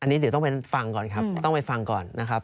อันนี้เดี๋ยวต้องไปฟังก่อนครับต้องไปฟังก่อนนะครับ